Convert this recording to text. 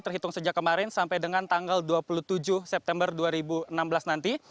terhitung sejak kemarin sampai dengan tanggal dua puluh tujuh september dua ribu enam belas nanti